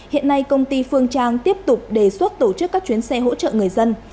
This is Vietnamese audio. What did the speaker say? hiện nay công ty phương trang tiếp tục đề xuất tổ chức các chuyến xe hỗ trợ người dân